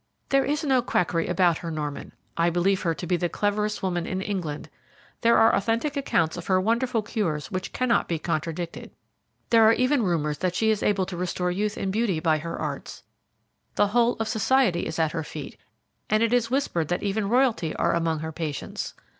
"There is no quackery about her, Norman. I believe her to be the cleverest woman in England. There are authentic accounts of her wonderful cures which cannot be contradicted. There are even rumours that she is able to restore youth and beauty by her arts. The whole of society is at her feet, and it is whispered that even Royalty are among her patients.